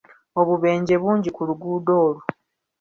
Obubeje bungi ku luguudo olwo.